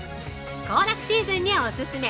行楽シーズンにおすすめ！